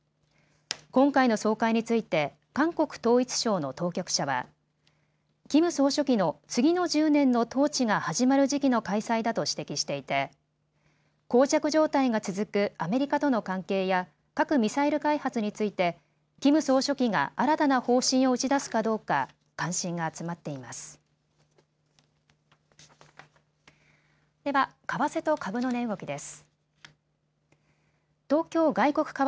今回の総会について韓国統一省の当局者はキム総書記の次の１０年の統治が始まる時期の開催だと指摘していてこう着状態が続くアメリカとの関係や核・ミサイル開発についてキム総書記が新たな方針を打ち出すかどうか関心が集まっています。